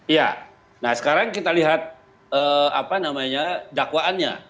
ya nah sekarang kita lihat dakwaannya